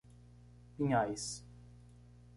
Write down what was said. Pinhais